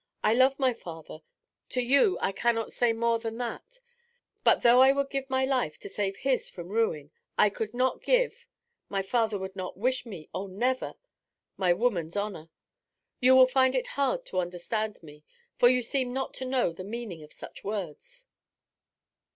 I love my father; to you I cannot say more than that; but though I would give my life to save his from ruin, I could not give my father would not wish me, oh never! my woman's honour. You will find it hard to understand me, for you seem not to know the meaning of such words.'